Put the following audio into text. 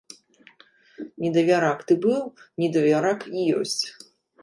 Недавярак ты быў, недавярак і ёсць!